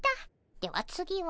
では次は。